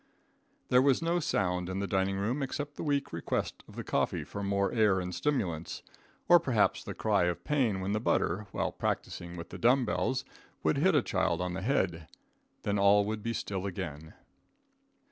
There was no sound in the dining room except the weak request of the coffee for more air and stimulants, or perhaps the cry of pain when the butter, while practicing with the dumb bells, would hit a child on the head; then all would be still again.